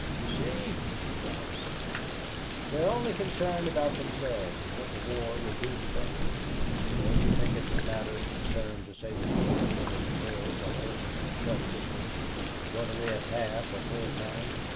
"You see," Ralph said to Dick, "they're only concerned about themselves and what the war will do to them." "Don't you think it's a matter of concern to Sabinsport whether the mills are open or shut this winter, whether we have half or full time?"